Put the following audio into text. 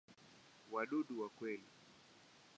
Wadudu wa kweli.